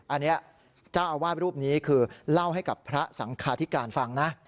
อันนี้เจ้าอาวาสรูปนี้คือเล่าให้กับพระสังคาธิการฟังนะ